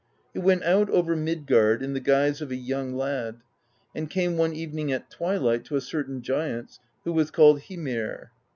He went out over Midgard in the guise of a young lad, and came one evening at twilight to a cer tain giant's, who was called Hymir.